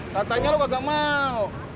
katanya lu gak mau